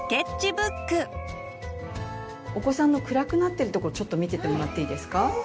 お子さんの暗くなってるところちょっと見ててもらっていいですか。